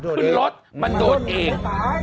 ขึ้นรถมันโดนเอง